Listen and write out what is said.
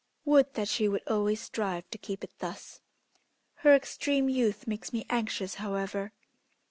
Would that she would always strive to keep it thus. Her extreme youth makes me anxious, however.